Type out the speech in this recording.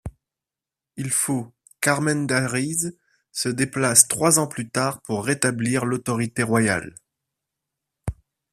Il faut qu'Armendáriz se déplace trois ans plus tard pour rétablir l'autorité royale.